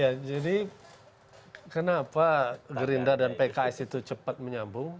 ya jadi kenapa gerindra dan pks itu cepat menyambung